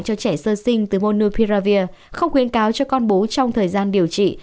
cho trẻ sơ sinh từ monopiravir không khuyên cáo cho con bú trong thời gian điều trị